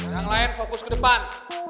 yang lain fokus ke depan